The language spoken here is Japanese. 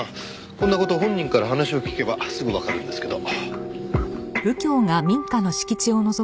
こんな事本人から話を聞けばすぐわかるんですけど。